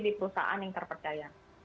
di perusahaan yang terpercaya